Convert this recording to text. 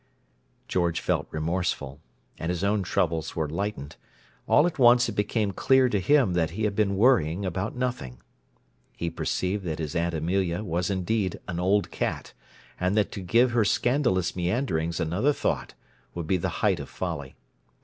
George felt remorseful, and his own troubles were lightened: all at once it became clear to him that he had been worrying about nothing. He perceived that his Aunt Amelia was indeed an old cat, and that to give her scandalous meanderings another thought would be the height of folly.